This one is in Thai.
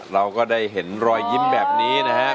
เราก็ได้เห็นรอยยิ้มแบบนี้นะครับ